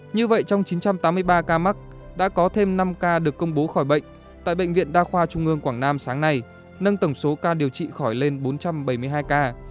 như vậy trong chín trăm tám mươi ba ca mắc đã có thêm năm ca được công bố khỏi bệnh tại bệnh viện đa khoa trung ương quảng nam sáng nay nâng tổng số ca điều trị khỏi lên bốn trăm bảy mươi hai ca